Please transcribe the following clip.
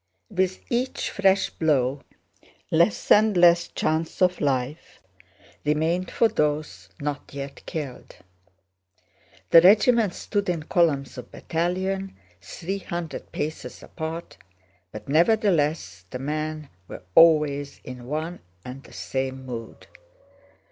With each fresh blow less and less chance of life remained for those not yet killed. The regiment stood in columns of battalion, three hundred paces apart, but nevertheless the men were always in one and the same mood.